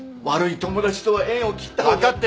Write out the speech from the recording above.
悪い友達とは縁を切った方が